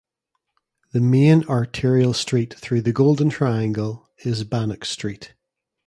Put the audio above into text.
The main arterial street through the Golden Triangle is Bannock Street.